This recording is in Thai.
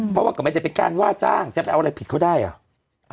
เพราะว่าก็ไม่ได้เป็นการว่าจ้างจะไปเอาอะไรผิดเขาได้อ่ะ